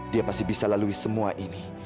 dia pasti bisa lalui semua ini